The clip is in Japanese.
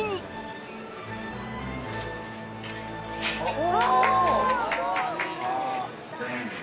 お！